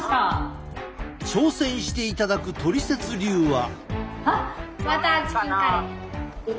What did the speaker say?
挑戦していただくトリセツ流は。